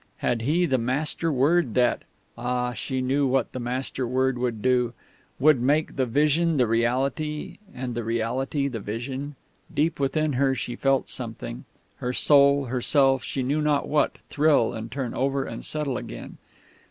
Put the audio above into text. Had he the Master Word that (ah, she knew what the Master Word would do!) would make the Vision the Reality and the Reality the Vision? Deep within her she felt something her soul, herself, she knew not what thrill and turn over and settle again....